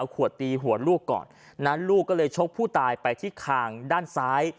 ขวดตีหัวลูกก่อนนั้นลูกก็เลยชกผู้ตายไปที่คางด้านซ้าย